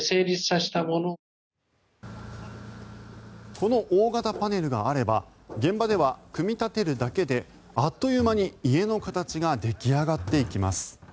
この大型パネルがあれば現場では組み立てるだけであっという間に家の形が出来上がっていきます。